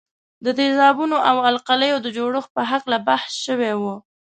د تیزابونو او القلیو د جوړښت په هکله بحث شوی وو.